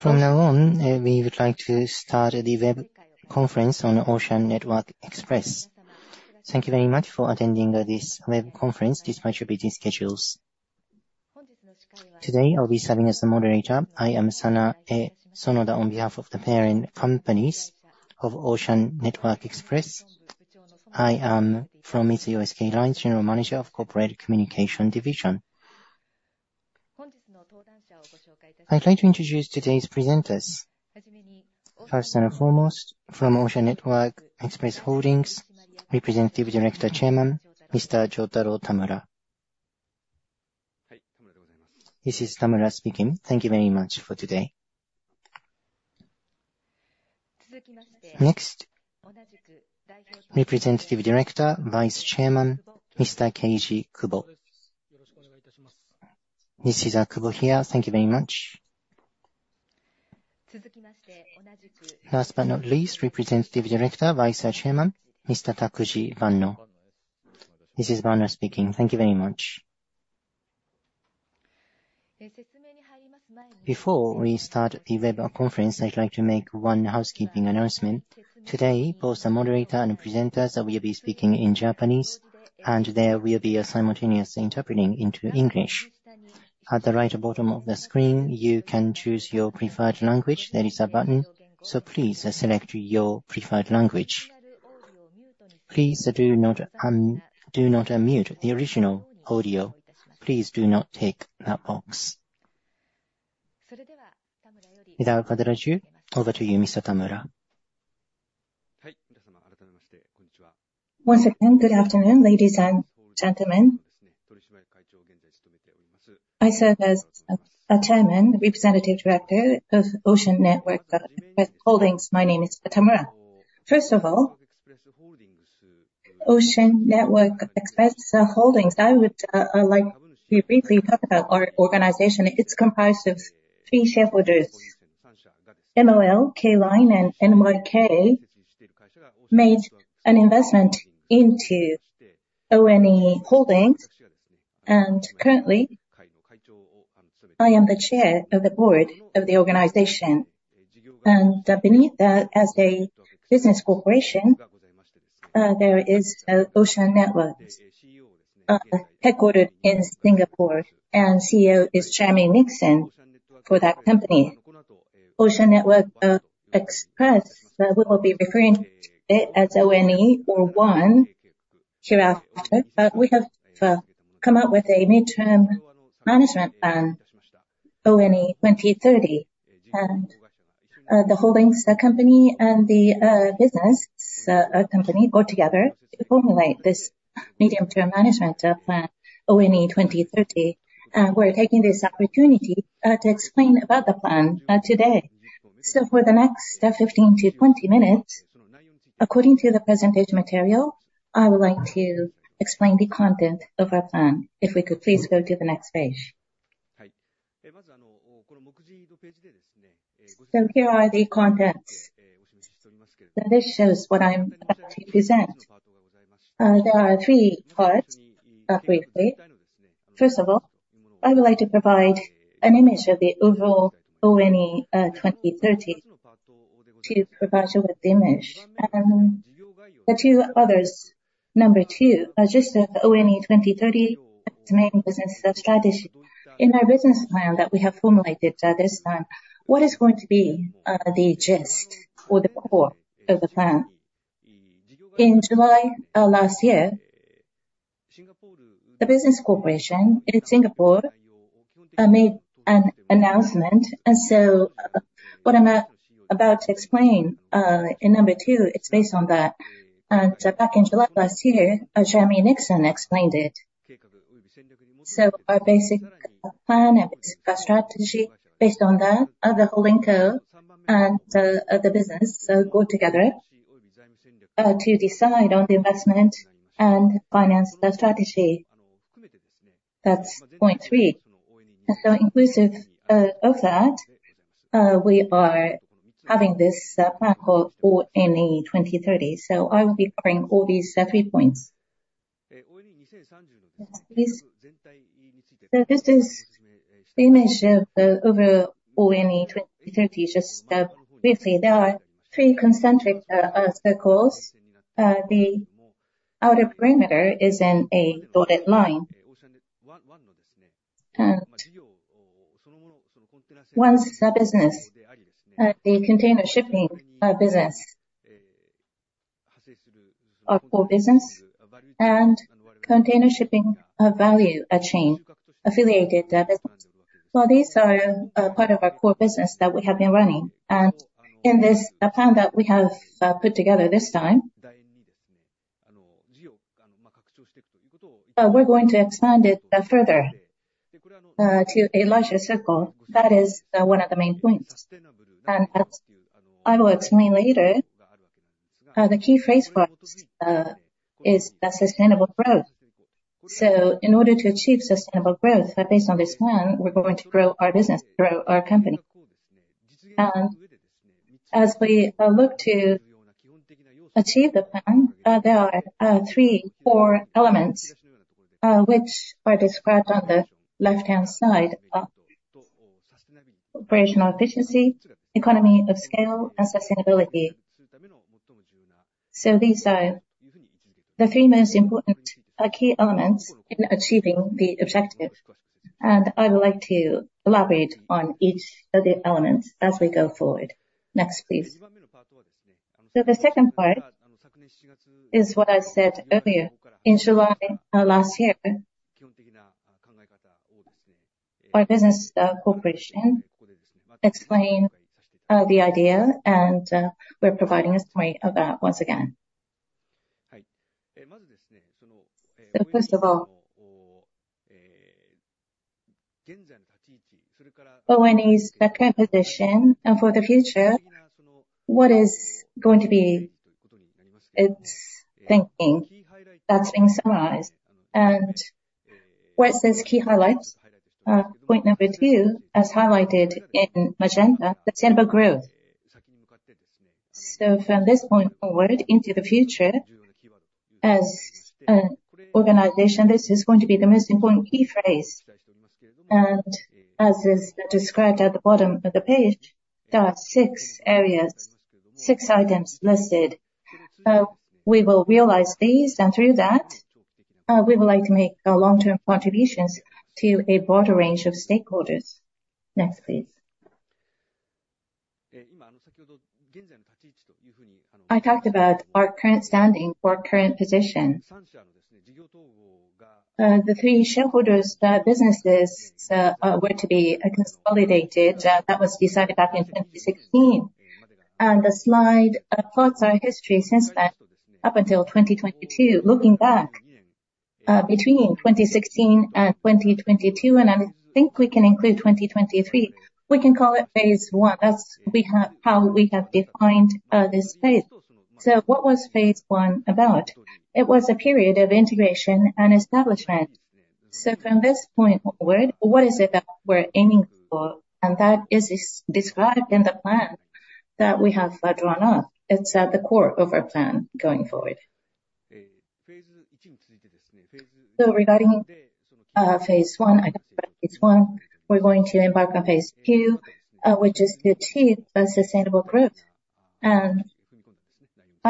From now on, we would like to start the web conference on Ocean Network Express. Thank you very much for attending this web conference, despite your busy schedules. Today, I will be serving as the moderator. I am Sanae Sonoda. On behalf of the parent companies of Ocean Network Express, I am from Mitsui O.S.K. Lines, General Manager of Corporate Communication Division. I would like to introduce today's presenters. First and foremost, from Ocean Network Express Holdings, Representative Director, Chairman, Mr. Jotaro Tamura. This is Tamura speaking. Thank you very much for today. Next, Representative Director, Vice Chairman, Mr. Keiji Kubo. This is Kubo here. Thank you very much. Last but not least, Representative Director, Vice Chairman, Mr. Takuji Banno. This is Banno speaking. Thank you very much. Before we start the web conference, I would like to make one housekeeping announcement. Today, both the moderator and presenters will be speaking in Japanese, and there will be simultaneous interpreting into English. At the right bottom of the screen, you can choose your preferred language. There is a button, so please select your preferred language. Please do not unmute the original audio. Please do not tick that box. Without further ado, over to you, Mr. Tamura. Once again, good afternoon, ladies and gentlemen. I serve as Chairman, Representative Director of Ocean Network Express Holdings. My name is Tamura. Ocean Network Express Holdings, I would like to briefly talk about our organization. It is comprised of three shareholders, MOL, K Line, and NYK, made an investment into ONE Holdings. Currently, I am the Chair of the Board of the organization. Beneath that, as a business corporation, there is Ocean Network, headquartered in Singapore, and CEO is Jeremy Nixon for that company. Ocean Network Express, we will be referring to it as ONE or ONE hereafter. We have come up with a medium-term management plan, ONE 2030. The holdings company and the business company got together to formulate this medium-term management plan, ONE 2030. We are taking this opportunity to explain about the plan today. For the next 15 to 20 minutes, according to the presentation material, I would like to explain the content of our plan. If we could please go to the next page. Here are the contents. This shows what I'm about to present. There are three parts, briefly. First of all, I would like to provide an image of the overall ONE 2030 to provide you with the image. The two others, number 2, are just ONE 2030 main business strategy. In our business plan that we have formulated this time, what is going to be the gist or the core of the plan? In July of last year, the business corporation in Singapore made an announcement. What I'm about to explain in number 2, it's based on that. Back in July of last year, Jeremy Nixon explained it. Our basic plan, our basic strategy, based on that, the holding co. and the business go together to decide on the investment and finance strategy. That's point 3. Inclusive of that, we are having this plan called ONE 2030. I will be covering all these three points. This is the image of the overall ONE 2030. Just briefly, there are three concentric circles. The outer perimeter is in a dotted line. ONE's the business, the container shipping business, our core business, and container shipping value chain affiliated business. These are part of our core business that we have been running. In this plan that we have put together this time, we're going to expand it further to a larger circle. That is one of the main points. As I will explain later, the key phrase for us is sustainable growth. In order to achieve sustainable growth, based on this plan, we're going to grow our business, grow our company. As we achieve the plan. There are three core elements, which are described on the left-hand side. Operational efficiency, economy of scale, and sustainability. These are the three most important key elements in achieving the objective, I would like to elaborate on each of the elements as we go forward. Next, please. The second part is what I said earlier. In July last year, our business corporation explained the idea, and we're providing a summary of that once again. First of all, ONE's current position and for the future, what is going to be its thinking? That's been summarized. Where it says key highlights, point number 2, as highlighted in magenta, sustainable growth. From this point forward into the future, as an organization, this is going to be the most important key phrase. As is described at the bottom of the page, there are six areas, six items listed. We will realize these, through that, we would like to make long-term contributions to a broader range of stakeholders. Next, please. I talked about our current standing, our current position. The three shareholders' businesses were to be consolidated, that was decided back in 2016. The slide plots our history since then up until 2022. Looking back, between 2016 and 2022, I think we can include 2023, we can call it Phase One. That's how we have defined this phase. What was Phase One about? It was a period of integration and establishment. From this point onward, what is it that we're aiming for? That is described in the plan that we have drawn up. It is at the core of our plan going forward. Regarding Phase One, I described Phase One. We are going to embark on Phase Two, which is to achieve a sustainable growth.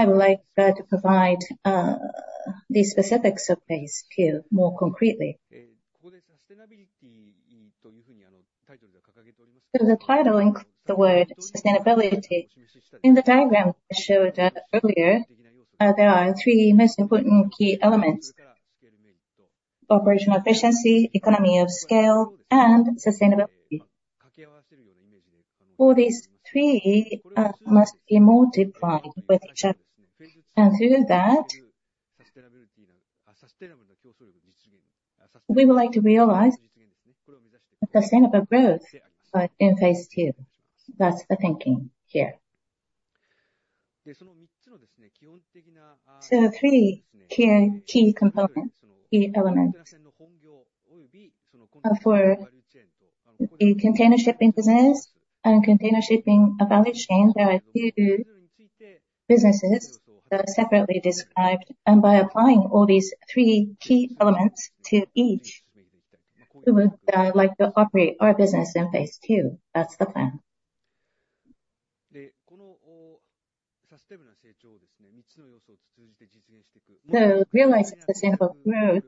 I would like to provide the specifics of Phase Two more concretely. The title includes the word sustainability. In the diagram I showed earlier, there are three most important key elements. Operational efficiency, economy of scale, and sustainability. All these three must be multiplied with each other. Through that, we would like to realize sustainable growth in Phase Two. That is the thinking here. Three key components, key elements for the container shipping business and container shipping value chain, there are two businesses that are separately described. By applying all these three key elements to each, we would like to operate our business in Phase Two. That is the plan. Realizing sustainable growth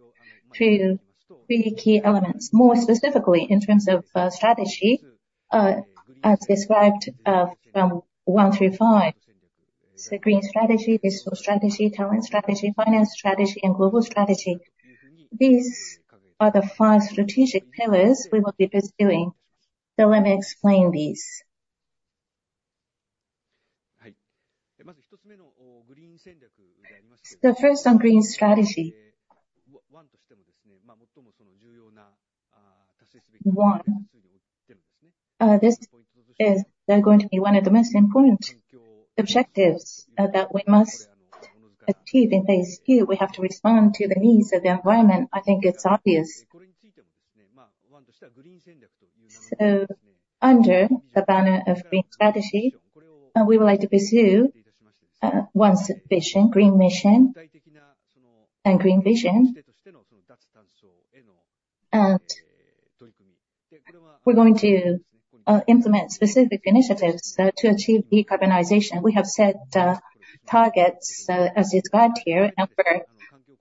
through three key elements. More specifically, in terms of strategy, as described from one through five, green strategy, digital strategy, talent strategy, finance strategy, and global strategy. These are the five strategic pillars we will be pursuing. Let me explain these. First on green strategy. 1. This is going to be one of the most important objectives that we must achieve in Phase Two. We have to respond to the needs of the environment. I think it is obvious. Under the banner of green strategy, we would like to pursue ONE's vision, green mission, and green vision. We are going to implement specific initiatives to achieve decarbonization. We have set targets, as described here, and we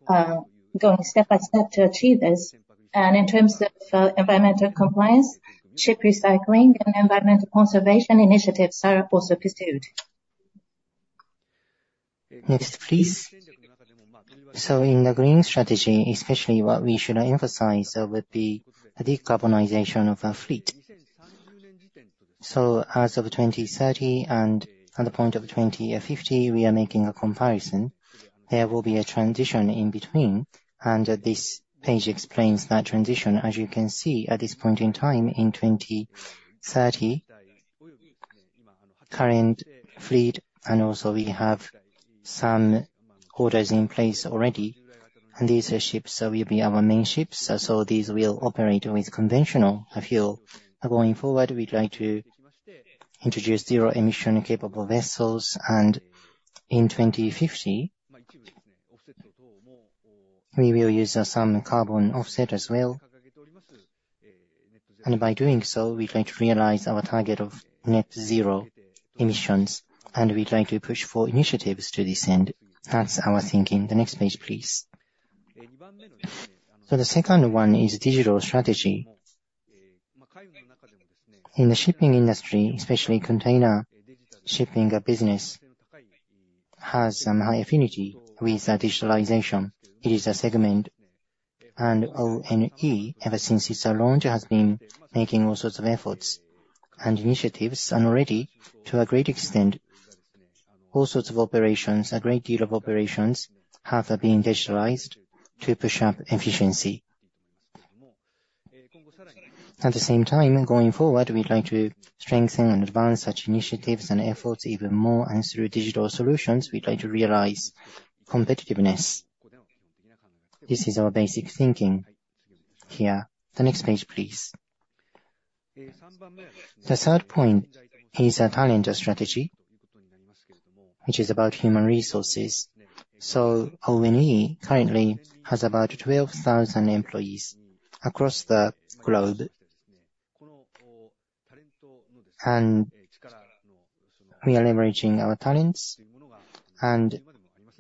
are going step by step to achieve this. In terms of environmental compliance, ship recycling and environmental conservation initiatives are also pursued. Next, please. In the green strategy, especially what we should emphasize would be the decarbonization of our fleet. As of 2030 and at the point of 2050, we are making a comparison. There will be a transition in between, and this page explains that transition. As you can see, at this point in time, in 2030, current fleet, and also we have Order in place already, and these ships will be our main ships. These will operate with conventional fuel. Going forward, we would like to introduce zero-emission capable vessels, and in 2050, we will use some carbon offset as well. By doing so, we would like to realize our target of net zero emissions, and we would like to push for initiatives to this end. That is our thinking. The next page, please. The second one is digital strategy. In the shipping industry, especially container shipping business, has some high affinity with digitalization. It is a segment. ONE, ever since its launch, has been making all sorts of efforts and initiatives, and already, to a great extent, all sorts of operations, a great deal of operations have been digitalized to push up efficiency. At the same time, going forward, we'd like to strengthen and advance such initiatives and efforts even more. Through digital solutions, we'd like to realize competitiveness. This is our basic thinking here. The next page, please. The third point is a Talent Strategy, which is about human resources. ONE currently has about 12,000 employees across the globe. We are leveraging our talents, and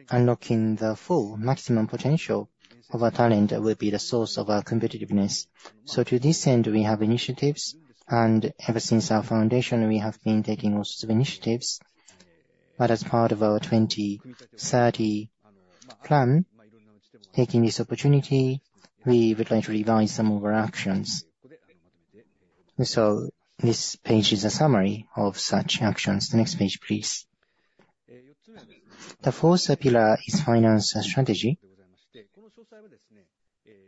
unlocking the full maximum potential of our talent will be the source of our competitiveness. To this end, we have initiatives, and ever since our foundation, we have been taking all sorts of initiatives. As part of our 2030 Plan, taking this opportunity, we would like to revise some of our actions. This page is a summary of such actions. The next page, please. The fourth pillar is Finance Strategy.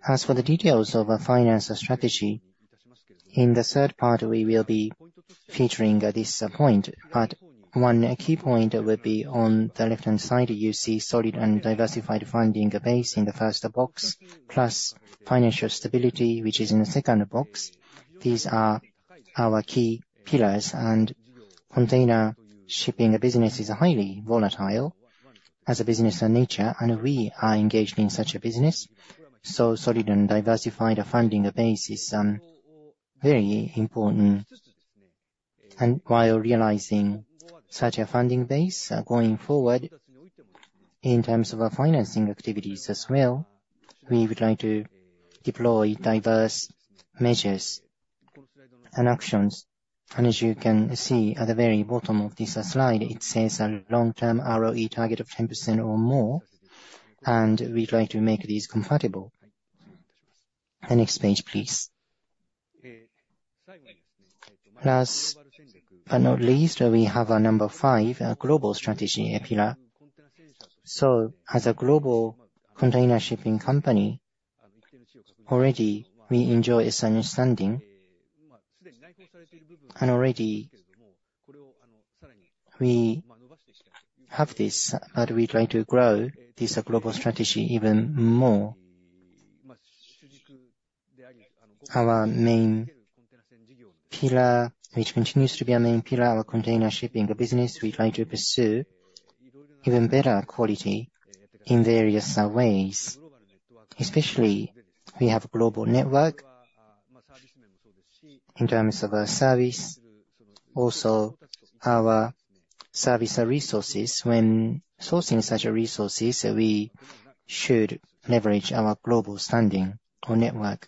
As for the details of our Finance Strategy, in the third part, we will be featuring this point. One key point will be on the left-hand side, you see solid and diversified funding base in the first box, plus financial stability, which is in the second box. These are our key pillars. Container shipping business is highly volatile as a business in nature, and we are engaged in such a business. Solid and diversified funding base is very important. While realizing such a funding base, going forward in terms of our financing activities as well, we would like to deploy diverse measures and actions. As you can see at the very bottom of this slide, it says a long-term ROE target of 10% or more, and we try to make these compatible. The next page, please. Last but not least, we have our number 5, a Global Strategy pillar. As a global container shipping company, already we enjoy a certain standing. Already we have this, but we try to grow this Global Strategy even more. Our main pillar, which continues to be our main pillar, our container shipping business, we'd like to pursue even better quality in various ways. Especially, we have a global network in terms of our service, also our service resources. When sourcing such resources, we should leverage our global standing or network.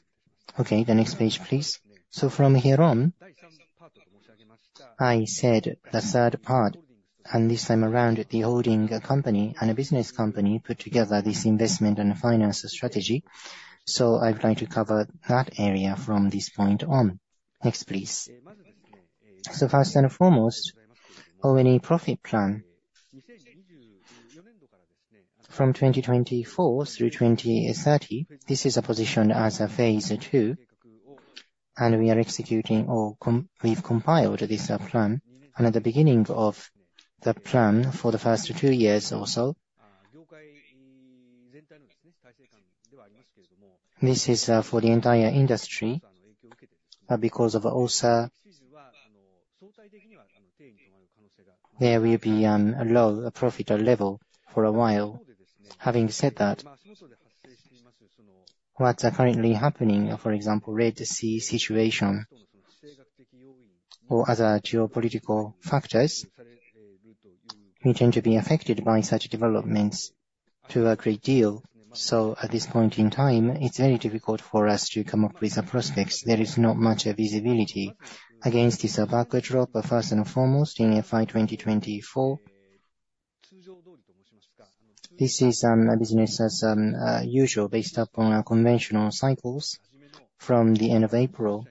The next page, please. From here on, I said the third part, and this time around, the holding company and business company put together this investment and Finance Strategy. I'd like to cover that area from this point on. Next, please. First and foremost, ONE profit plan. From 2024 through 2030, this is positioned as Phase Two, and we are executing or we've compiled this plan. At the beginning of the plan, for the first two years or so, this is for the entire industry. Because of OSA, there will be a low profit level for a while. Having said that, what's currently happening, for example, Red Sea situation or other geopolitical factors, we tend to be affected by such developments to a great deal. At this point in time, it is very difficult for us to come up with prospects. There is not much visibility. Against this backdrop, first and foremost, in FY 2024, this is business as usual, based upon our conventional cycles. From the end of April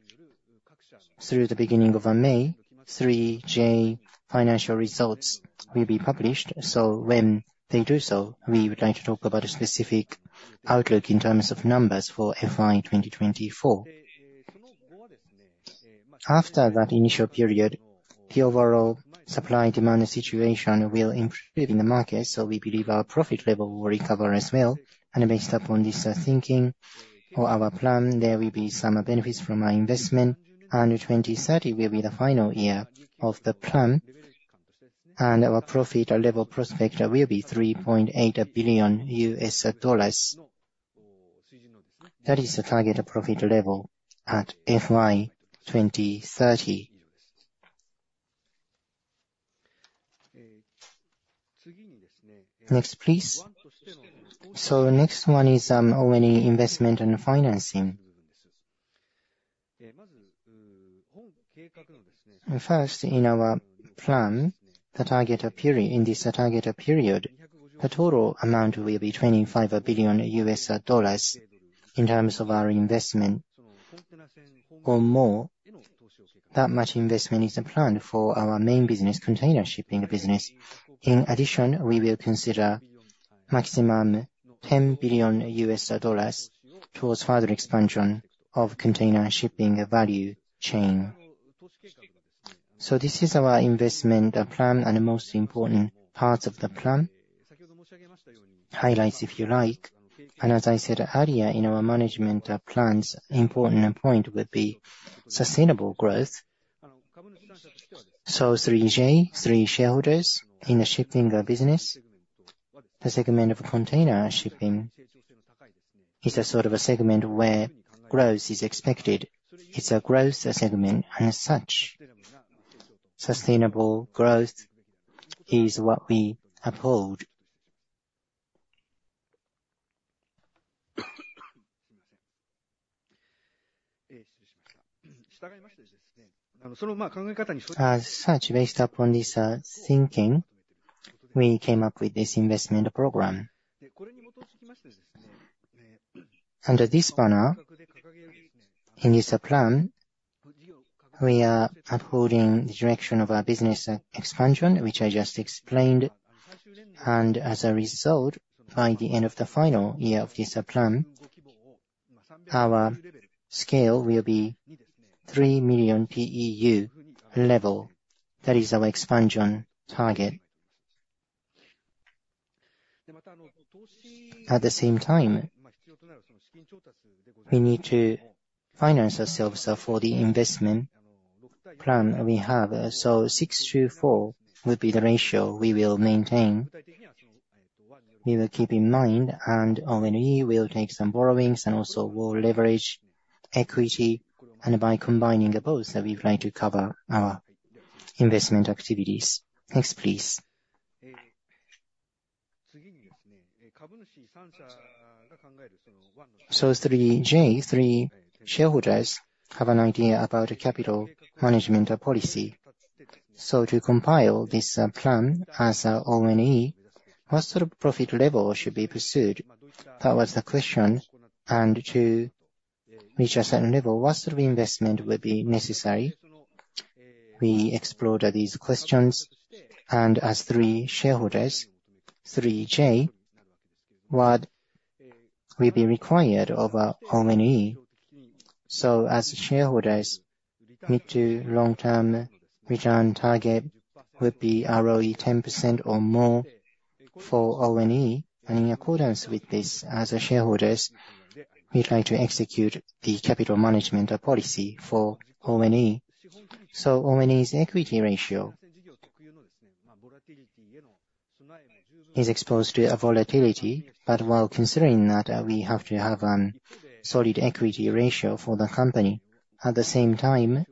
through the beginning of May, 3J financial results will be published. When they do so, we would like to talk about a specific outlook in terms of numbers for FY 2024. After that initial period, the overall supply and demand situation will improve in the market. We believe our profit level will recover as well. Based upon this thinking or our plan, there will be some benefits from our investment, and 2030 will be the final year of the plan. Our profit level prospect will be $3.8 billion. That is the target profit level at FY 2030. Next, please. The next one is ONE investment and financing. First, in our plan, in this targeted period, the total amount will be $25 billion in terms of our investment or more. That much investment is planned for our main business, container shipping business. In addition, we will consider a maximum $10 billion towards further expansion of container shipping value chain. This is our investment plan and the most important parts of the plan. Highlights, if you like. As I said earlier, in our management plans, an important point would be sustainable growth. 3J, three shareholders in the shipping business. The segment of container shipping is a sort of a segment where growth is expected. It is a growth segment, as such, sustainable growth is what we uphold. As such, based upon this thinking, we came up with this investment program. Under this banner, in this plan, we are upholding the direction of our business expansion, which I just explained. As a result, by the end of the final year of this plan, our scale will be 3 million TEU level. That is our expansion target. At the same time, we need to finance ourselves for the investment plan we have. Six to four would be the ratio we will maintain. We will keep in mind, ONE will take some borrowings and also more leverage, equity, and by combining both, we plan to cover our investment activities. Next, please. 3J, three shareholders have an idea about a capital management policy. To compile this plan as ONE, what sort of profit level should be pursued? That was the question. To reach a certain level, what sort of investment would be necessary? We explored these questions, as three shareholders, 3J, what will be required of ONE? As shareholders, mid to long-term return target would be ROE 10% or more for ONE. In accordance with this, as shareholders, we try to execute the capital management policy for ONE. ONE's equity ratio is exposed to volatility. While considering that, we have to have a solid equity ratio for the company. At the same time,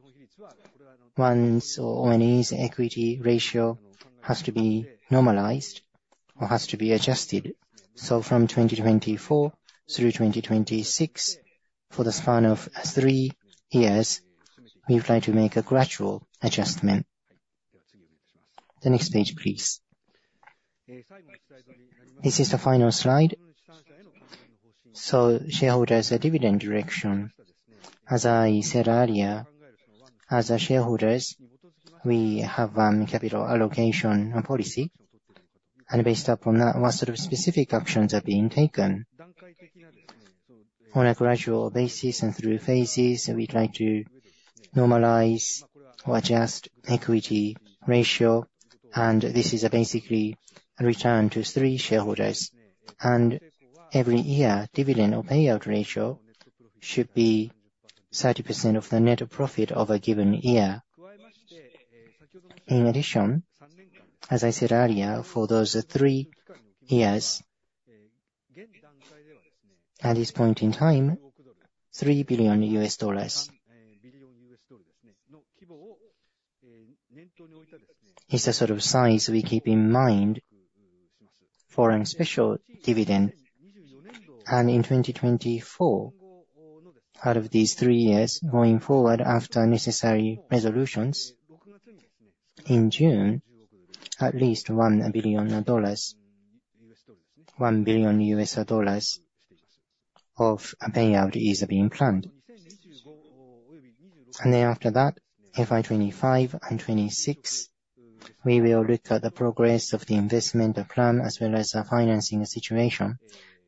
ONE's or ONE's equity ratio has to be normalized or has to be adjusted. From 2024 through 2026, for the span of three years, we plan to make a gradual adjustment. The next page, please. This is the final slide. Shareholders dividend direction. As I said earlier, as shareholders, we have a capital allocation policy. Based upon that, what sort of specific actions are being taken? On a gradual basis and through phases, we try to normalize or adjust equity ratio, this is basically a return to three shareholders. Every year, dividend or payout ratio should be 30% of the net profit of a given year. In addition, as I said earlier, for those three years, at this point in time, 3 billion US dollars is the sort of size we keep in mind for a special dividend. In 2024, out of these three years, going forward after necessary resolutions, in June, at least 1 billion dollars of payout is being planned. After that, FY 2025 and 2026, we will look at the progress of the investment plan as well as our financing situation.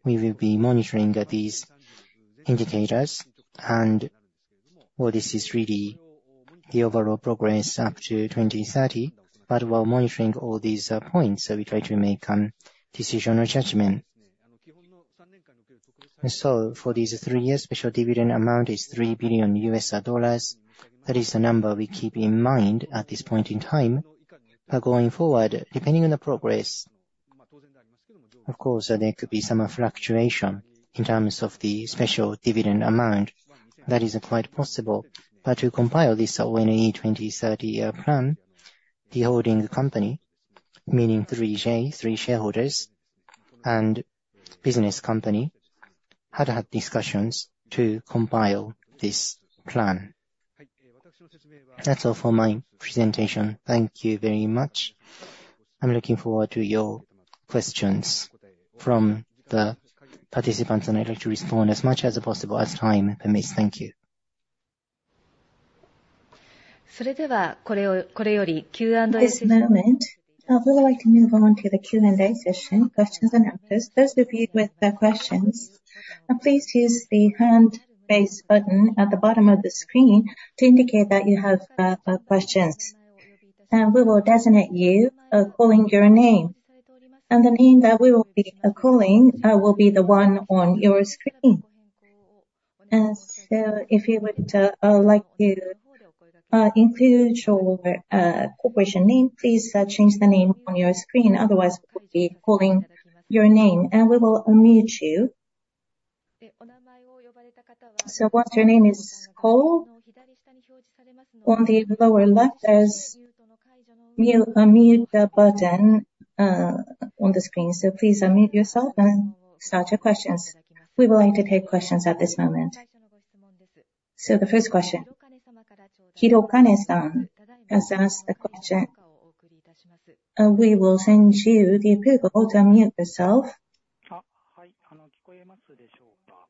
We will be monitoring these indicators and, while this is really the overall progress up to 2030, but while monitoring all these points, we try to make decisional judgment. For these three years, special dividend amount is 3 billion US dollars. That is the number we keep in mind at this point in time. Going forward, depending on the progress, of course, there could be some fluctuation in terms of the special dividend amount. That is quite possible. To compile this ONE 2030 plan, the holding company, meaning 3J, three shareholders, and business company, had to have discussions to compile this plan. That's all for my presentation. Thank you very much. I'm looking forward to your questions from the participants, and I'd like to respond as much as possible as time permits. Thank you. At this moment, we would like to move on to the Q&A session, questions and answers. Those of you with questions, please use the hand raise button at the bottom of the screen to indicate that you have questions. We will designate you by calling your name. The name that we will be calling will be the one on your screen. If you would like to include your corporation name, please change the name on your screen. Otherwise, we'll be calling your name, and we will unmute you. Once your name is called, on the lower left, there's a mute/unmute button on the screen. Please unmute yourself and start your questions. We would like to take questions at this moment. The first question, Hirokane-san has asked a question. We will send you the approval to unmute yourself.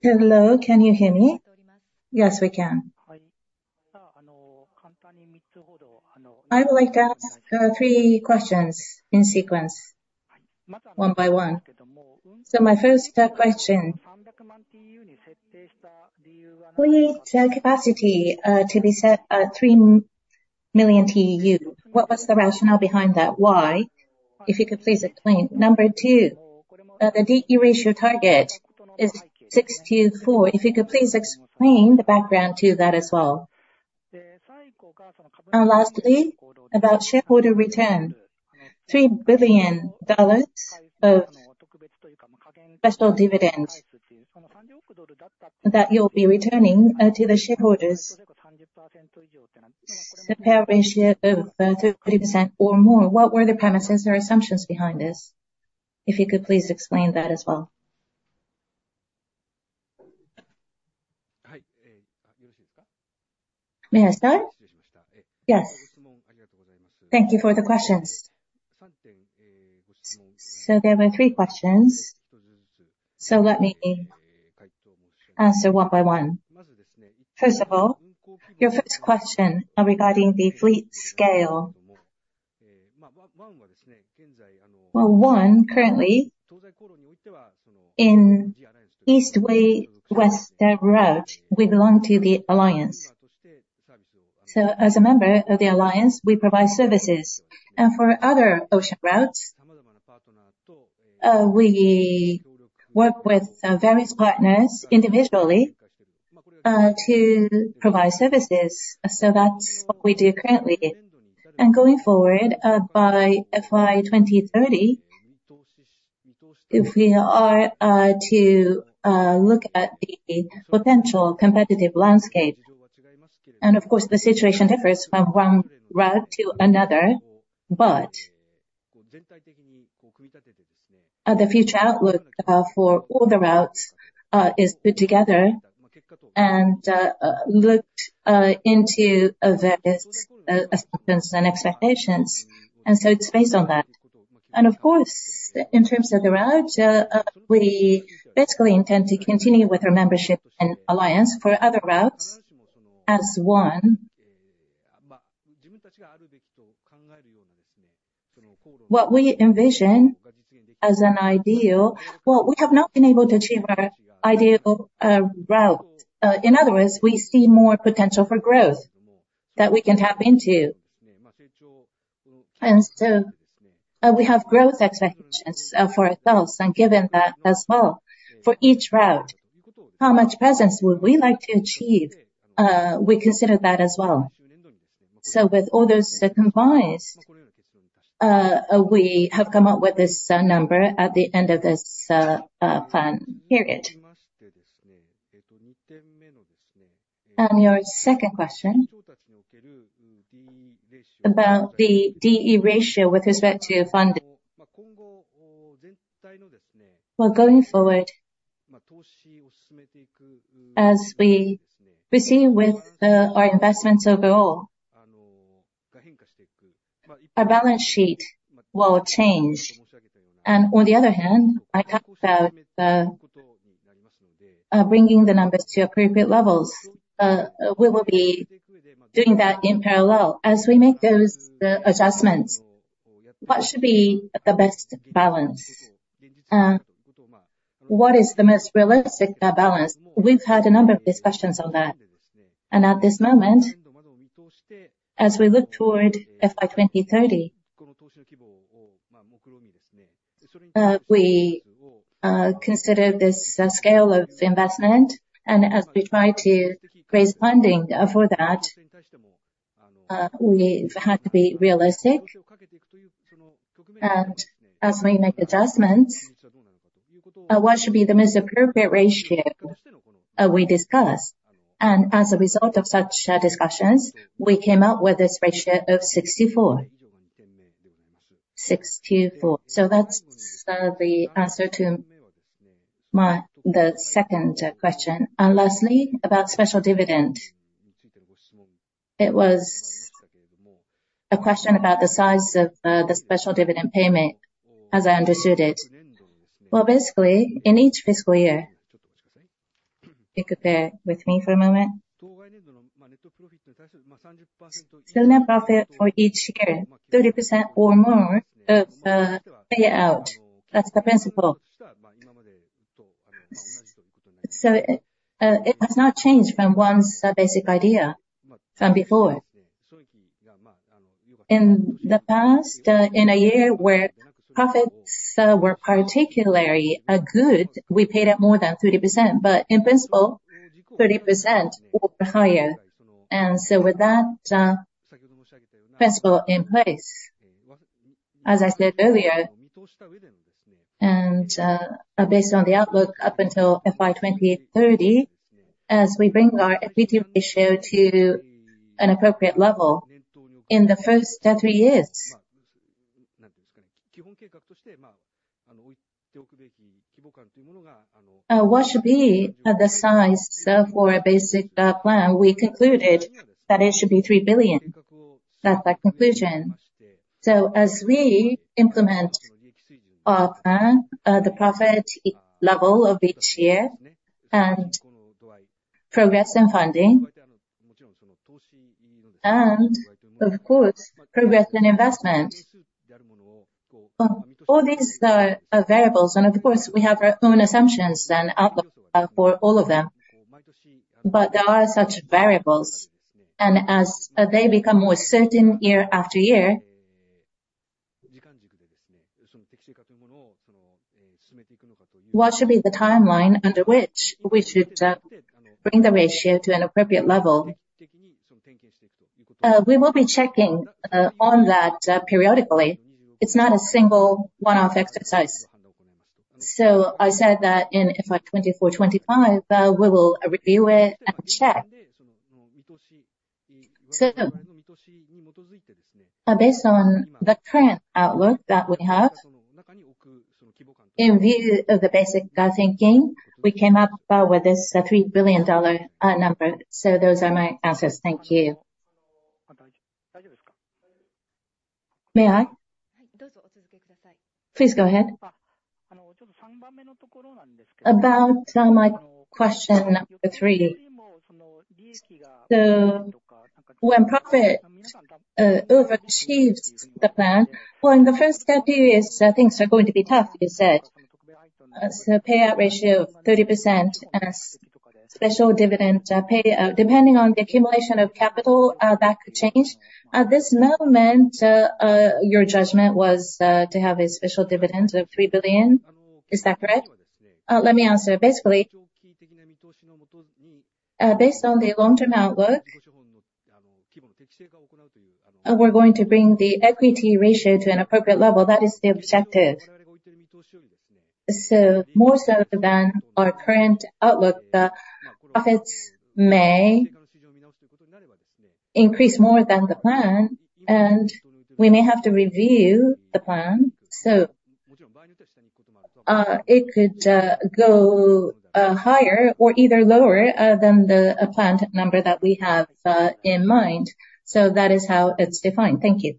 Hello, can you hear me? Yes, we can. I would like to ask three questions in sequence, one by one. My first question, fleet capacity to be set at 3 million TEU. What was the rationale behind that? Why? If you could please explain. Number 2, the D/E ratio target is 64%. If you could please explain the background to that as well. Lastly, about shareholder return, JPY 3 billion of special dividends that you'll be returning to the shareholders. The payout ratio of 30% or more, what were the premises or assumptions behind this? If you could please explain that as well. May I start? Yes. Thank you for the questions. There were three questions. Let me answer one by one. First of all, your first question regarding the fleet scale. Well, ONE, currently in East-West route, we belong to the alliance. As a member of the alliance, we provide services. For other ocean routes, we work with various partners individually, to provide services. That's what we do currently. Going forward, by FY 2030, if we are to look at the potential competitive landscape, and of course the situation differs from one route to another, but, the future outlook for all the routes is put together and looked into various assumptions and expectations. It's based on that. Of course, in terms of the routes, we basically intend to continue with our membership and alliance for other routes as ONE. What we envision as an ideal. Well, we have not been able to achieve our ideal route. In other words, we see more potential for growth that we can tap into. We have growth expectations for ourselves, and given that as well. For each route, how much presence would we like to achieve? We consider that as well. With all those combined, we have come up with this number at the end of this plan period. Your second question, about the D/E ratio with respect to funding. Well, going forward, as we proceed with our investments overall, our balance sheet will change. On the other hand, I talked about the- Bringing the numbers to appropriate levels, we will be doing that in parallel. As we make those adjustments, what should be the best balance? What is the most realistic balance? We've had a number of discussions on that, at this moment, as we look toward FY 2030, we consider this scale of investment, and as we try to raise funding for that, we've had to be realistic. As we make adjustments, what should be the most appropriate ratio we discuss? As a result of such discussions, we came up with this ratio of 64. 64. That's the answer to the second question. Lastly, about special dividend. It was a question about the size of the special dividend payment, as I understood it. Well, basically, in each fiscal year. If you could bear with me for a moment. Still net profit for each year, 30% or more of payout. That's the principle. It has not changed from ONE's basic idea from before. In the past, in a year where profits were particularly good, we paid out more than 30%, but in principle, 30% or higher. With that principle in place, as I said earlier, based on the outlook up until FY 2030, as we bring our equity ratio to an appropriate level in the first three years, what should be the size for a basic plan? We concluded that it should be $3 billion. That's our conclusion. As we implement our plan, the profit level of each year, progress in funding, and of course, progress in investment. All these are variables, and of course, we have our own assumptions and outlook for all of them. There are such variables, and as they become more certain year after year, what should be the timeline under which we should bring the ratio to an appropriate level? We will be checking on that periodically. It's not a single one-off exercise. I said that in FY 2024, 2025, we will review it and check. Based on the current outlook that we have, in view of the basic thinking, we came up with this $3 billion number. Those are my answers. Thank you. May I? Please go ahead. About my question number 3. When profit overachieves the plan. Well, in the first three years, things are going to be tough, you said. Payout ratio of 30% as special dividend payout. Depending on the accumulation of capital, that could change. At this moment, your judgment was to have a special dividend of $3 billion. Is that correct? Let me answer. Basically, based on the long-term outlook, we're going to bring the equity ratio to an appropriate level. That is the objective. More so than our current outlook, the profits may increase more than the plan, and we may have to review the plan. It could go higher or either lower than the planned number that we have in mind. That is how it's defined. Thank you.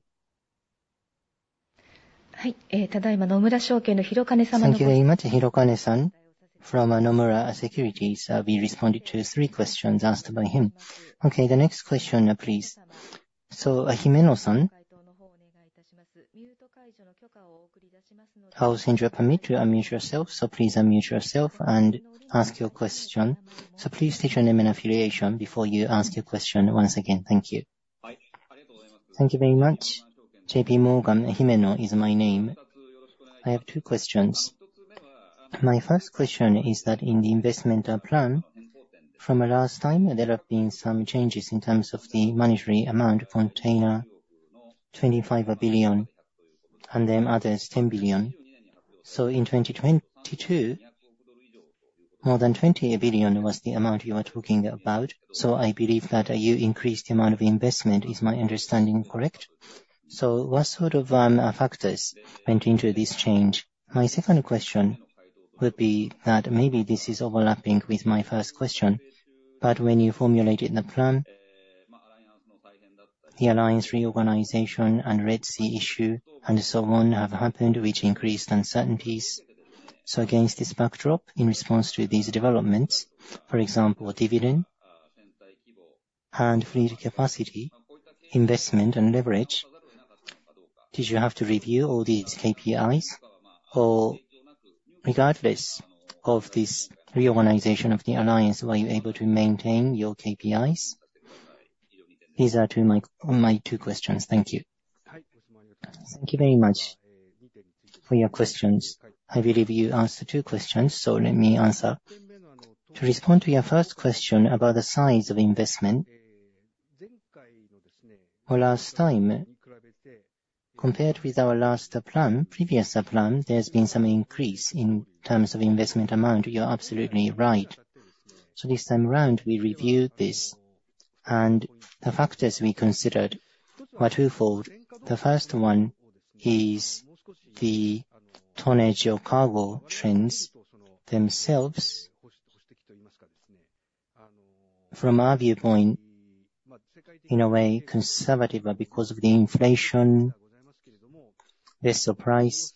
Thank you very much, Masaharu-san from Nomura Securities. We responded to three questions asked by him. Okay. The next question, please. Himeno-san. I'll send you a permit to unmute yourself, so please unmute yourself and ask your question. Please state your name and affiliation before you ask your question once again. Thank you. Thank you very much. JP Morgan, Himeno is my name. I have two questions. My first question is that in the investment plan from last time, there have been some changes in terms of the monetary amount from container $25 billion and then others $10 billion. In 2022, more than $20 billion was the amount you are talking about. I believe that you increased the amount of investment. Is my understanding correct? What sort of factors went into this change? My second question would be that maybe this is overlapping with my first question. When you formulated the plan, the alliance reorganization and Red Sea issue have happened, which increased uncertainties. Against this backdrop, in response to these developments, for example, dividend, fleet capacity, investment, and leverage, did you have to review all these KPIs? Regardless of this reorganization of the alliance, were you able to maintain your KPIs? These are my two questions. Thank you. Thank you very much for your questions. I believe you asked two questions. Let me answer. To respond to your first question about the size of investment. Compared with our previous plan, there's been some increase in terms of investment amount. You're absolutely right. This time around, we reviewed this, and the factors we considered were twofold. The first one is the tonnage of cargo trends themselves. From our viewpoint, in a way, conservative. Because of the inflation, vessel price.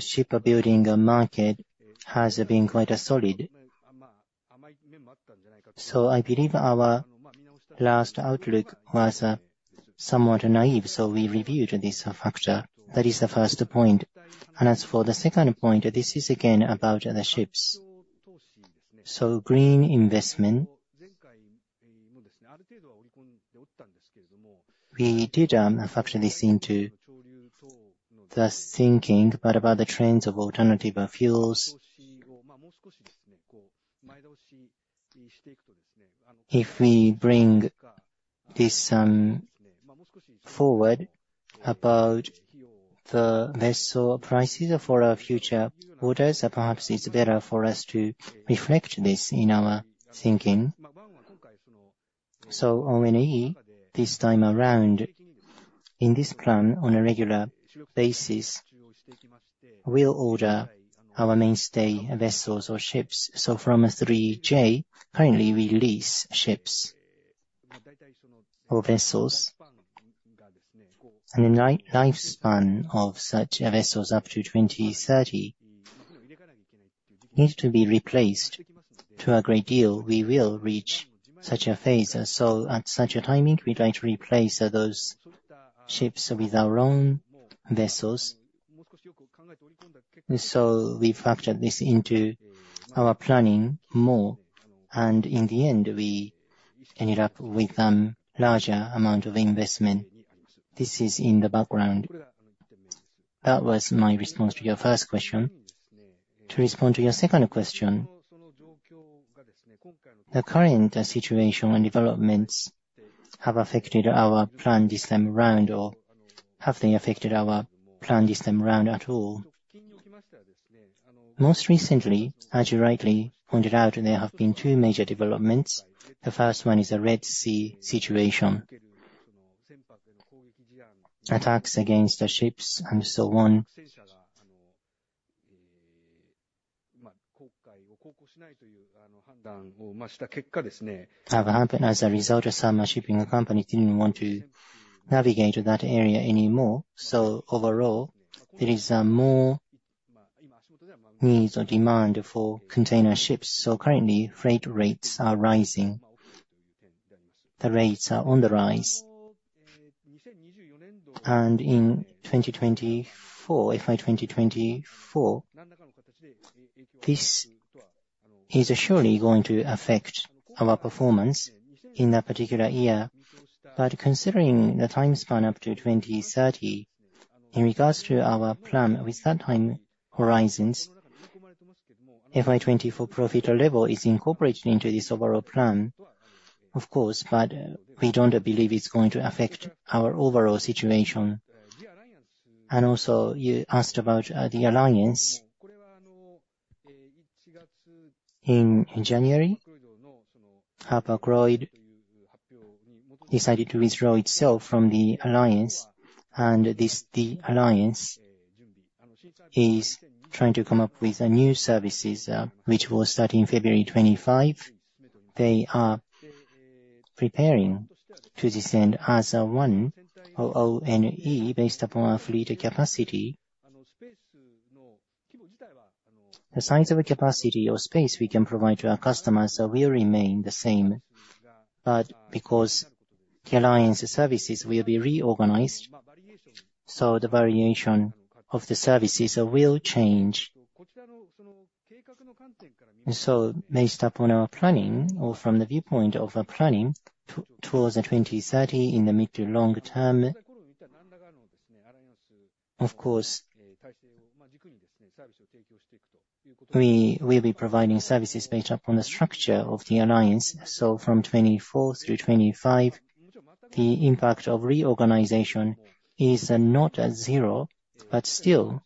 Ship building market has been quite solid. I believe our last outlook was somewhat naive. We reviewed this factor. That is the first point. As for the second point, this is again about the ships. Green investment. We did, in fact, factor this into the thinking. About the trends of alternative fuels. If we bring this forward about the vessel prices for our future orders, perhaps it's better for us to reflect this in our thinking. ONE, this time around, in this plan, on a regular basis, we'll order our mainstay vessels or ships. From a 3J, currently we lease ships or vessels. The lifespan of such vessels up to 2030 needs to be replaced to a great deal. We will reach such a phase. At such a timing, we try to replace those ships with our own vessels. We factored this into our planning more, and in the end, we ended up with a larger amount of investment. This is in the background. That was my response to your first question. To respond to your second question. The current situation and developments have affected our plan this time around, or have they affected our plan this time around at all? Most recently, as you rightly pointed out, there have been two major developments. The first one is the Red Sea situation. Attacks against the ships have happened. As a result, some shipping companies didn't want to navigate to that area anymore. Overall, there is more needs or demand for container ships. Currently, freight rates are rising. The rates are on the rise. In 2024, FY 2024, this is surely going to affect our performance in that particular year. Considering the time span up to 2030, in regards to our plan with that time horizons, FY 2020 for profit level is incorporated into this overall plan, of course, but we don't believe it's going to affect our overall situation. Also, you asked about the alliance. In January, Hapag-Lloyd decided to withdraw itself from the alliance. This, the alliance is trying to come up with new services, which will start in February 2025. They are preparing to descend as one or ONE based upon our fleet capacity. The size of a capacity or space we can provide to our customers will remain the same. Because the alliance services will be reorganized, the variation of the services will change. Based upon our planning or from the viewpoint of our planning towards 2030 in the mid to long term, of course, we will be providing services based upon the structure of the alliance. From 2024 through 2025, the impact of reorganization is not zero, but still,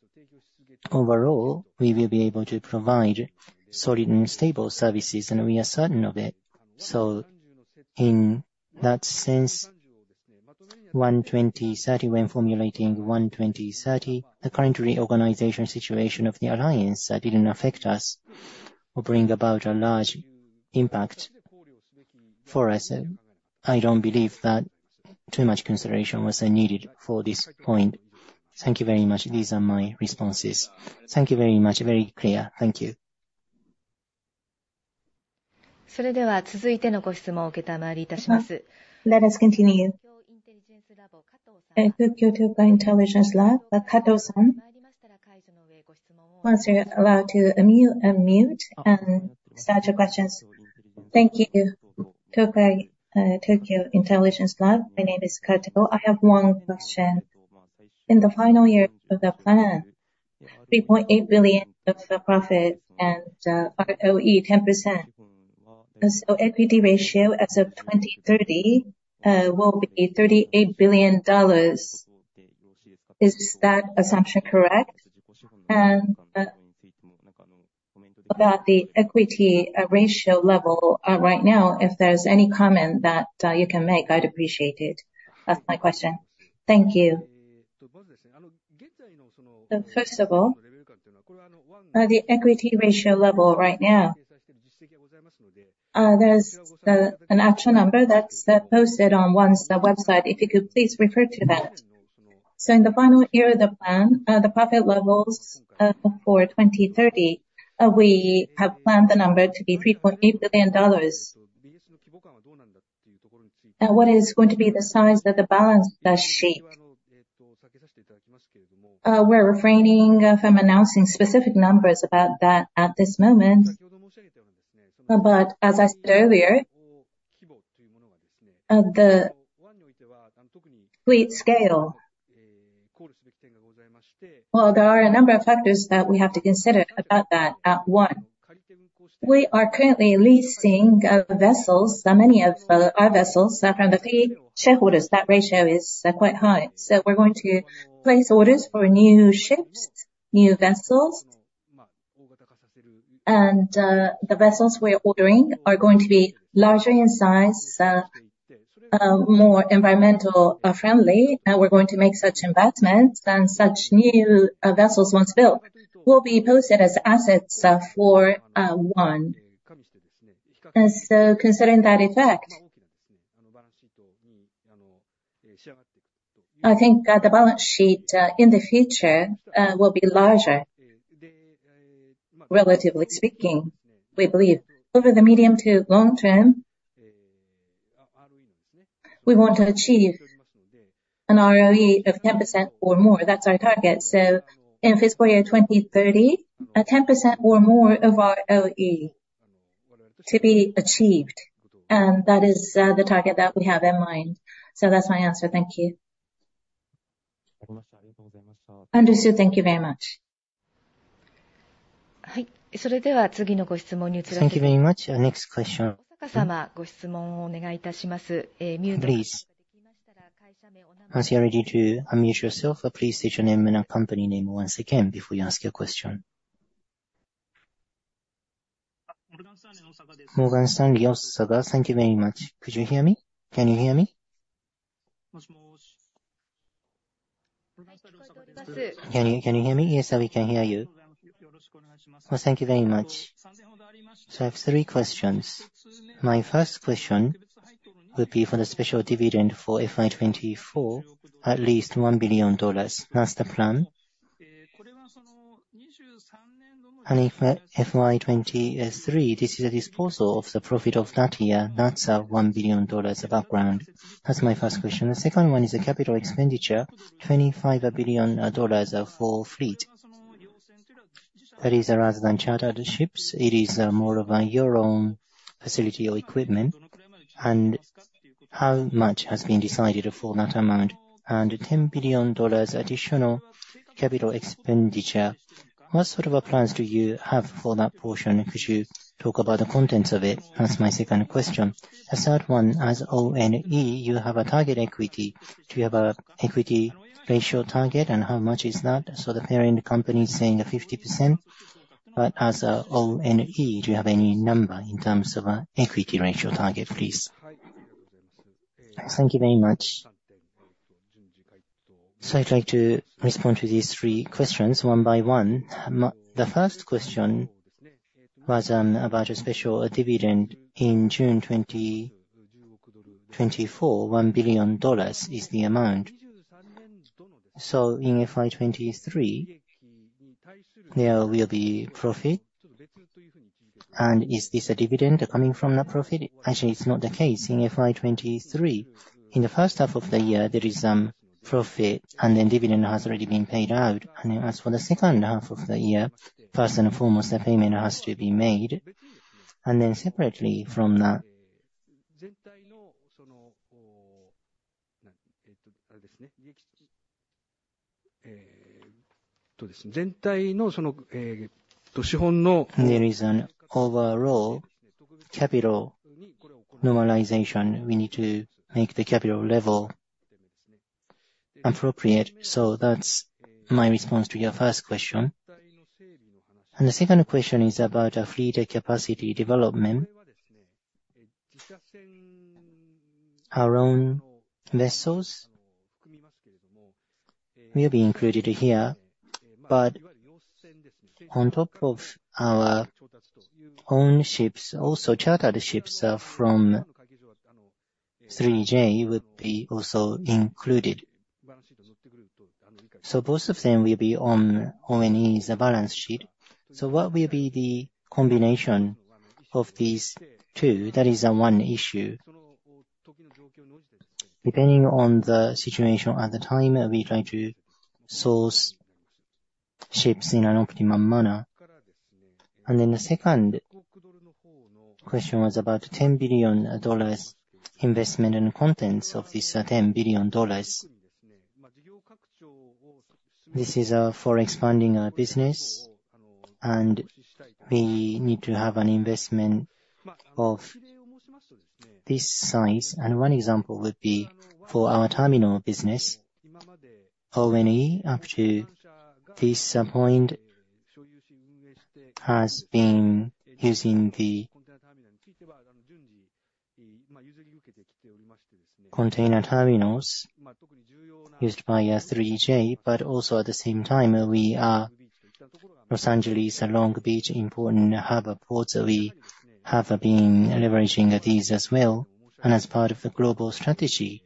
overall, we will be able to provide solid and stable services, and we are certain of it. In that sense ONE 2030, when formulating ONE 2030, the current reorganization situation of the alliance didn't affect us or bring about a large impact for us. I don't believe that too much consideration was needed for this point. Thank you very much. These are my responses. Thank you very much. Very clear. Thank you. Let us continue. Once you're allowed to unmute, start your questions. Thank you. Tokyo Intelligence Lab. My name is Kato. I have one question. In the final year of the plan, 3.8 billion of the profit and ROE 10%. Equity ratio as of 2030 will be JPY 38 billion. Is that assumption correct? About the equity ratio level right now, if there's any comment that you can make, I'd appreciate it. That's my question. Thank you. First of all, the equity ratio level right now, there's an actual number that's posted on ONE's website, if you could please refer to that. In the final year of the plan, the profit levels for 2030, we have planned the number to be JPY 3.8 billion. What is going to be the size of the balance sheet? We're refraining from announcing specific numbers about that at this moment. As I said earlier, the fleet scale, well, there are a number of factors that we have to consider about that. One, we are currently leasing vessels. Many of our vessels are from the fleet shareholders. That ratio is quite high. We're going to place orders for new ships, new vessels. The vessels we're ordering are going to be larger in size, more environmental friendly, and we're going to make such investments. Such new vessels, once built, will be posted as assets for ONE. Considering that effect, I think the balance sheet in the future will be larger. Relatively speaking, we believe over the medium to long term, we want to achieve an ROE of 10% or more. That's our target. In fiscal year 2030, a 10% or more of ROE to be achieved. That is the target that we have in mind. That's my answer. Thank you. Understood. Thank you very much. Thank you very much. Next question. Please. Once you're ready to unmute yourself, please state your name and company name once again before you ask your question. Morgan Stanley, Osaga. Thank you very much. Could you hear me? Can you hear me? Yes, we can hear you. Thank you very much. I have three questions. My first question would be for the special dividend for FY 2024, at least JPY 1 billion. That's the plan. If FY 2023, this is a disposal of the profit of that year, that's JPY 1 billion, the background. That's my first question. The second one is the capital expenditure, JPY 25 billion for fleet. That is, rather than chartered ships, it is more of your own facility or equipment. How much has been decided for that amount? JPY 10 billion additional capital expenditure. What sort of plans do you have for that portion? Could you talk about the contents of it? That's my second question. The third one, as ONE, you have a target equity. Do you have an equity ratio target, and how much is that? The parent company is saying 50%, as ONE, do you have any number in terms of an equity ratio target, please? Thank you very much. I'd like to respond to these three questions one by one. The first question was about a special dividend in June 2024, JPY 1 billion is the amount. In FY 2023, there will be profit. Is this a dividend coming from that profit? Actually, it's not the case. In FY 2023, in the first half of the year, there is profit, and then dividend has already been paid out. As for the second half of the year, first and foremost, the payment has to be made. Separately from that, there is an overall capital normalization. We need to make the capital level appropriate. That's my response to your first question. The second question is about our fleet capacity development. Our own vessels will be included here, but on top of our own ships, also chartered ships from 3Q would be also included. Both of them will be on ONE's balance sheet. What will be the combination of these two? That is one issue. Depending on the situation at the time, we try to source ships in an optimum manner. The second question was about JPY 10 billion investment and the contents of this JPY 10 billion. This is for expanding our business, and we need to have an investment of this size. One example would be for our terminal business. ONE, up to this point, has been using the container terminals used by 3Q, but also at the same time, Los Angeles, Long Beach important harbor ports, we have been leveraging these as well. As part of the global strategy,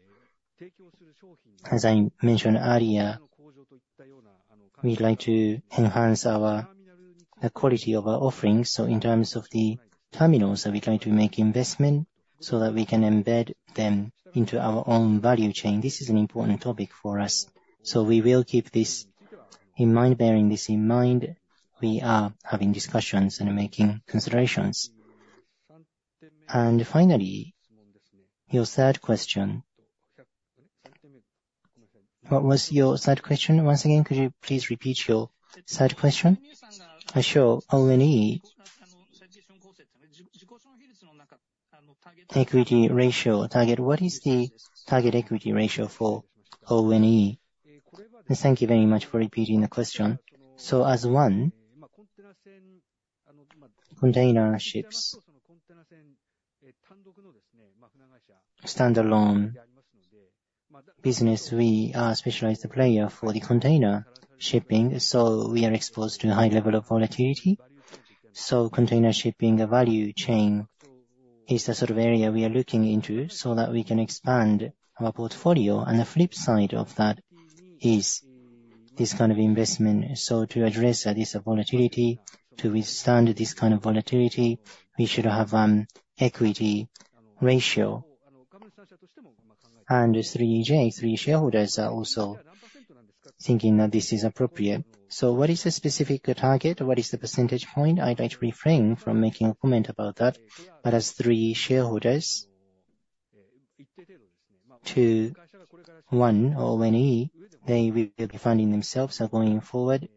as I mentioned earlier, we'd like to enhance the quality of our offerings. In terms of the terminals, we try to make investment so that we can embed them into our own value chain. This is an important topic for us. We will keep this in mind. Bearing this in mind, we are having discussions and making considerations. Finally, your third question. What was your third question once again? Could you please repeat your third question? Sure. ONE equity ratio target. What is the target equity ratio for ONE? Thank you very much for repeating the question. As ONE, container ships, standalone business, we are a specialized player for container shipping, we are exposed to a high level of volatility. Container shipping value chain is the sort of area we are looking into so that we can expand our portfolio. The flip side of that is this kind of investment. To address this volatility, to withstand this kind of volatility, we should have an equity ratio. 3Q, three shareholders, are also thinking that this is appropriate. What is the specific target? What is the percentage point? I'd like to refrain from making a comment about that. As three shareholders to ONE, they will be funding themselves going forward.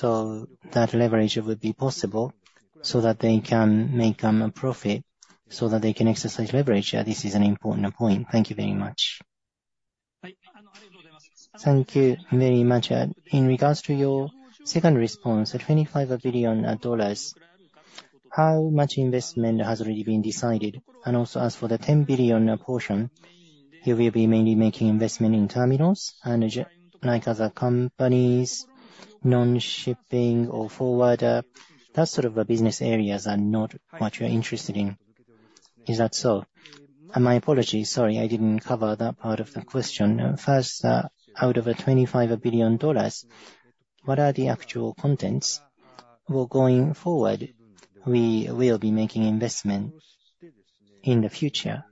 That leverage would be possible so that they can make a profit, so that they can exercise leverage. This is an important point. Thank you very much. Thank you very much. In regards to your second response, at JPY 25 billion, how much investment has already been decided? Also, as for the 10 billion portion, you will be mainly making investment in terminals? Like other companies, non-shipping or forwarder, those sort of business areas are not what you're interested in. Is that so? My apologies. Sorry, I didn't cover that part of the question. First, out of JPY 25 billion, what are the actual contents? Going forward, we will be making investment in the future.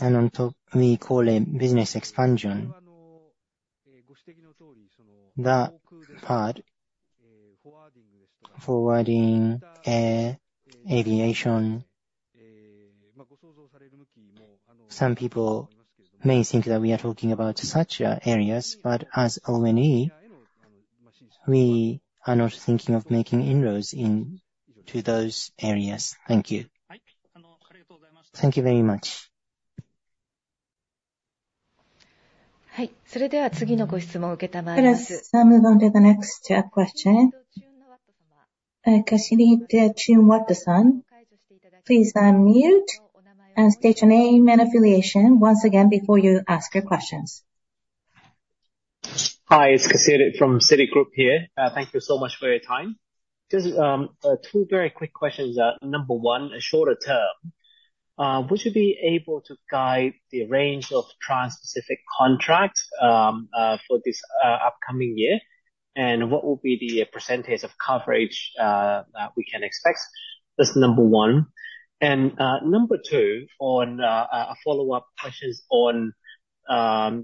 On top, we call it business expansion. That part, forwarding, air, aviation, some people may think that we are talking about such areas. As ONE, we are not thinking of making inroads into those areas. Thank you. Thank you very much. Let us move on to the next question. Kasiri Chunwatas, please unmute and state your name and affiliation once again before you ask your questions. Hi, it's Kasiri from Citigroup here. Thank you so much for your time. Just two very quick questions. Number one, shorter term, would you be able to guide the range of Trans-Pacific contracts for this upcoming year? What will be the percentage of coverage that we can expect? That's number one. Number two, on a follow-up question on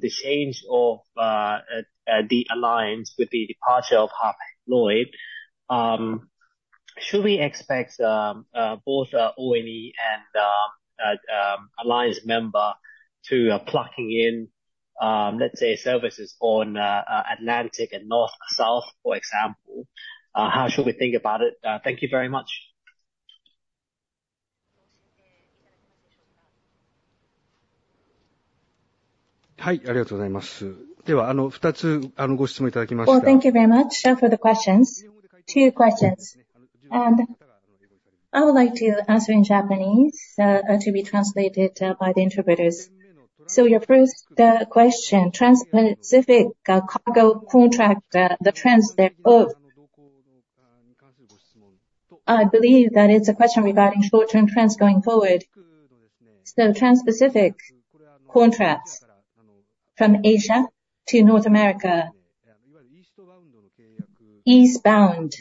the change of the alliance with the departure of Hapag-Lloyd. Should we expect both ONE and alliance member to plugging in, let's say, services on Atlantic and North-South, for example? How should we think about it? Thank you very much. Thank you very much for the questions. Two questions, I would like to answer in Japanese, to be translated by the interpreters. Your first question, Trans-Pacific cargo contract, the trends thereof. I believe that it's a question regarding short-term trends going forward. Trans-Pacific contracts from Asia to North America, eastbound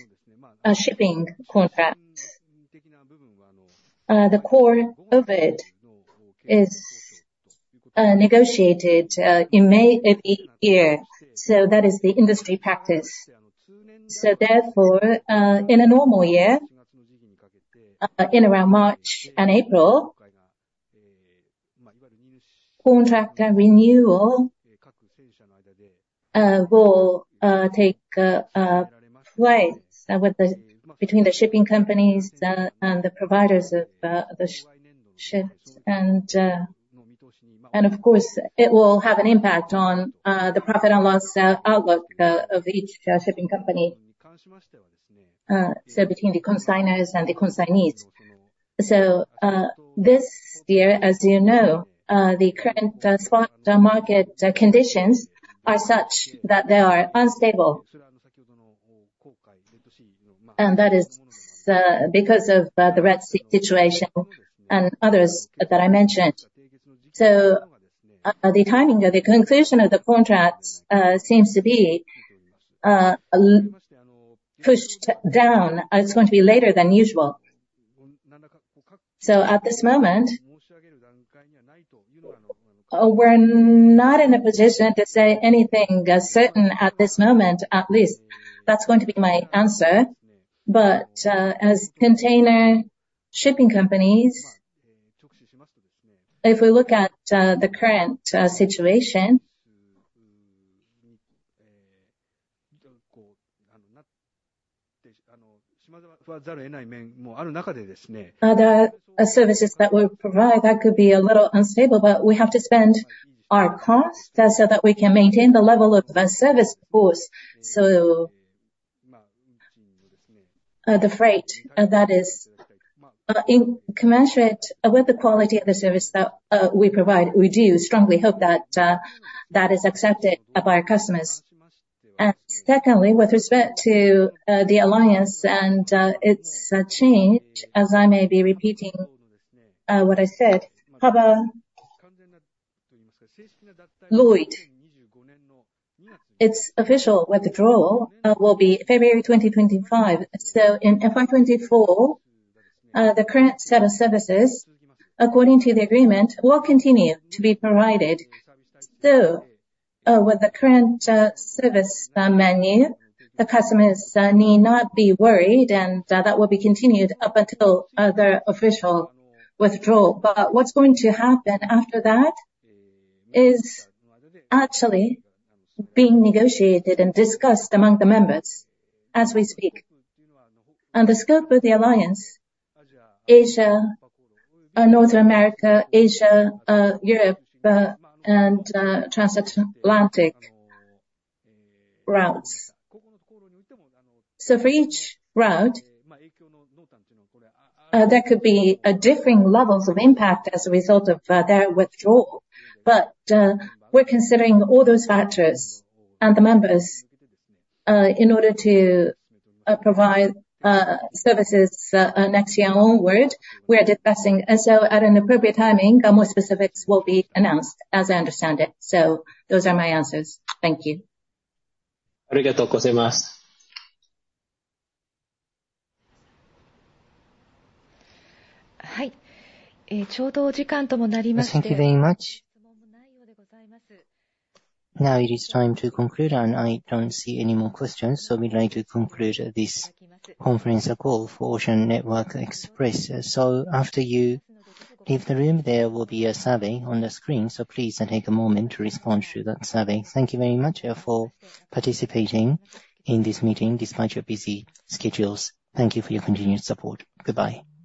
shipping contracts, the core of it is negotiated in May of each year. That is the industry practice. Therefore, in a normal year, in around March and April, contract renewal will take place between the shipping companies and the providers of the ships. Of course, it will have an impact on the profit and loss outlook of each shipping company. Between the consignors and the consignees. This year, as you know, the current spot market conditions are such that they are unstable. That is because of the Red Sea situation and others that I mentioned. The timing of the conclusion of the contracts seems to be pushed down. It's going to be later than usual. At this moment, we're not in a position to say anything certain at this moment. At least that's going to be my answer. As container shipping companies, if we look at the current situation, the services that we provide, that could be a little unstable, but we have to spend our costs so that we can maintain the level of service, of course. The freight that is commensurate with the quality of the service that we provide, we do strongly hope that that is accepted by our customers. Secondly, with respect to the alliance and its change, as I may be repeating what I said, Hapag-Lloyd, its official withdrawal will be February 2025. In FY 2024, the current set of services, according to the agreement, will continue to be provided. With the current service menu, the customers need not be worried, and that will be continued up until the official withdrawal. What's going to happen after that is actually being negotiated and discussed among the members as we speak. The scope of the alliance, Asia, North America, Asia, Europe, and transatlantic routes. For each route, there could be differing levels of impact as a result of their withdrawal. We're considering all those factors and the members, in order to provide services next year onward. We are discussing, at an appropriate timing, more specifics will be announced as I understand it. Those are my answers. Thank you. Thank you very much. Now it is time to conclude. I don't see any more questions, we'd like to conclude this conference call for Ocean Network Express. After you leave the room, there will be a survey on the screen, please take a moment to respond to that survey. Thank you very much for participating in this meeting despite your busy schedules. Thank you for your continued support. Goodbye.